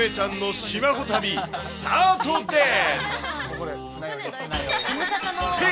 梅ちゃんの島ホ旅、スタートです。